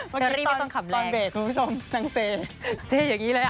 เมื่อกี้ตอนเบสคุณผู้ชมนางเซตอนเบสคุณผู้ชมนางเซอยังงี้เลยอะ